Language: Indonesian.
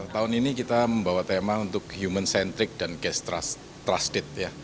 tahun ini kita membawa tema untuk human centric dan gas transit